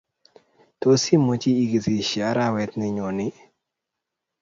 Tos imuchi igesishe arawet nennyoni?